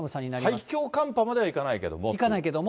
最強寒波まではいかないけれども。